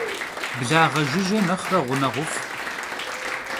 Blağe jjıje nexhre ğuneğuf'.